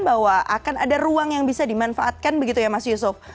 bahwa akan ada ruang yang bisa dimanfaatkan begitu ya mas yusuf